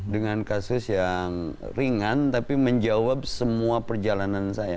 dengan kasus yang ringan tapi menjawab semua perjalanan saya